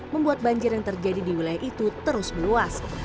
membuat banjir yang terjadi di wilayah itu terus meluas